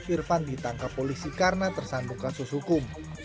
irfan ditangkap polisi karena tersandung kasus hukum